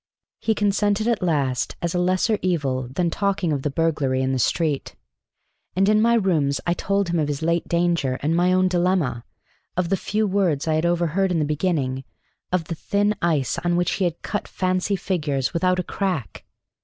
He consented at last as a lesser evil than talking of the burglary in the street; and in my rooms I told him of his late danger and my own dilemma, of the few words I had overheard in the beginning, of the thin ice on which he had cut fancy figures without a crack.